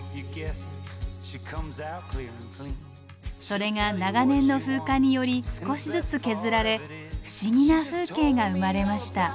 それが長年の風化により少しずつ削られ不思議な風景が生まれました。